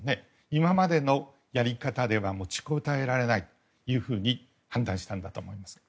今までのやり方では持ちこたえられないと判断したんだと思います。